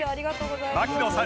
槙野さん